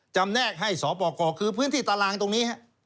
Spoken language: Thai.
แนกให้สปกรคือพื้นที่ตารางตรงนี้